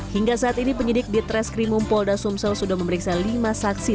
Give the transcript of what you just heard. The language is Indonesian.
hingga saat ini penyidik di treskrimum polda sumsel sudah memeriksa lima saksi